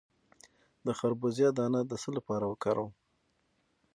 د خربوزې دانه د څه لپاره وکاروم؟